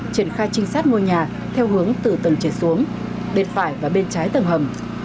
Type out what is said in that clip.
triển khai trinh sát ngôi nhà theo hướng từ tầng trời xuống bên phải và bên trái tầng hầm